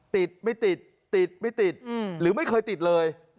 ติดไม่ติดติดไม่ติดหรือไม่เคยติดเลย